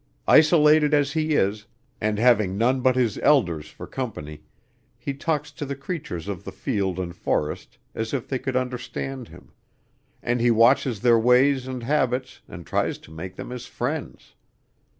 Isolated as he is, and having none but his elders for company, he talks to the creatures of the field and forest as if they could understand him, and he watches their ways and habits and tries to make them his friends.